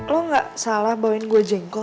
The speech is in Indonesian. lo gak salah bawain gue jengkol